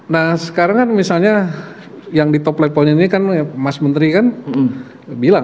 nah sekarang kan misalnya yang di top lay point ini kan mas menteri kan bilang